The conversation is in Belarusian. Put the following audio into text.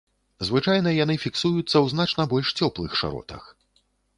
Звычайна яны фіксуюцца ў значна больш цёплых шыротах.